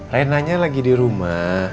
reyna nya lagi di rumah